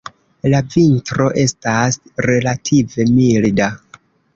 La vintro estas relative milda.